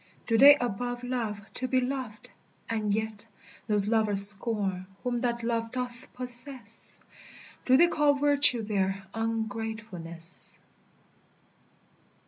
Do they above love to be loved, and yet Those lovers scorn whom that love doth possess? Do they call virtue there ungratefulness?